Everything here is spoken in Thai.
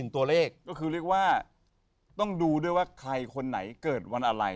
ตัวเลขก็คือเรียกว่าต้องดูด้วยว่าใครคนไหนเกิดวันอะไร